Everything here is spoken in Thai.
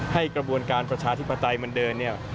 ให้กระบวนการประชาธิปไตมันเดิน